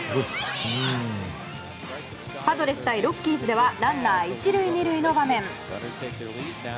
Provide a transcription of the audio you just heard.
パドレス対ロッキーズではランナー１塁２塁の場面。